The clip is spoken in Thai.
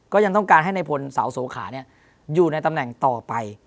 ก็ยังต้องการให้ในพลเสาโสขาอยู่ในตำแหน่งต่อไป